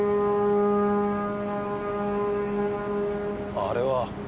・あれは。